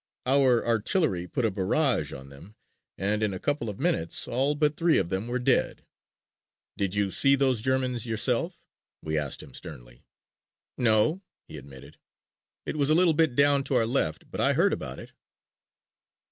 "Our artillery put a barrage on them and in a couple of minutes all but three of them were dead." "Did you see those Germans yourself?" we asked him sternly. "No," he admitted, "it was a little bit down to our left but I heard about it."